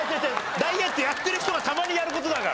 ダイエットやってる人がたまにやる事だから。